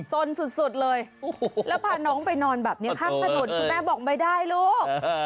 สนสุดเลยแล้วพาน้องไปนอนแบบนี้ข้างถนนคุณแม่บอกไม่ได้ลูก